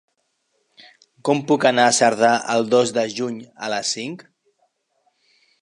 Com puc anar a Cerdà el dos de juny a les cinc?